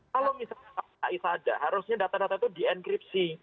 kalau misalnya pakai saja harusnya data data itu dienkripsi